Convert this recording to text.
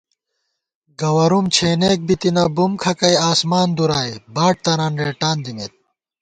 گوَرُوم چھېنېک بِتنہ، بُم کھکَئ آسمان دُرائے، باٹ تران رېٹان دِمېت